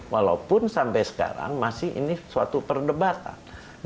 walaupun sampai sekarang masih ini suatu perdebatan